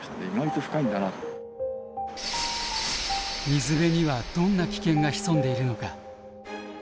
水辺にはどんな危険が潜んでいるのか？